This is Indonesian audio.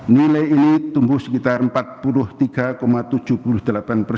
nilai ini tumbuh sekitar